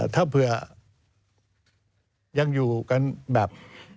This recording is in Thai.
ถ้าเผื่อยังอยู่กันแบบ